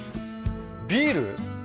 ビール？